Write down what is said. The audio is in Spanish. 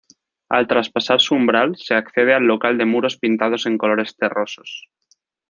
Al traspasar su umbral se accede al local de muros pintados en colores terrosos.